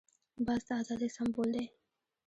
باز د آزادۍ سمبول دی